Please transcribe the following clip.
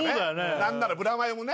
何ならブラマヨもね